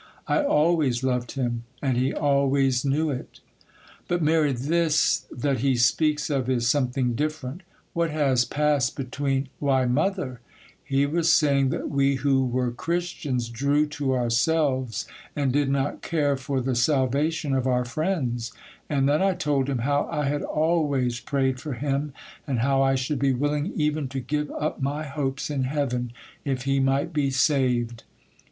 I always loved him, and he always knew it.' 'But, Mary, this that he speaks of is something different. What has passed between——' 'Why, mother, he was saying that we who were Christians drew to ourselves and did not care for the salvation of our friends; and then I told him how I had always prayed for him, and how I should be willing even to give up my hopes in heaven, if he might be saved.